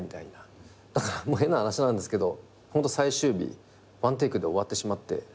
だからもう変な話なんですけど最終日１テイクで終わってしまって。